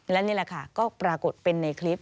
และนี่แหละค่ะก็ปรากฏเป็นในคลิป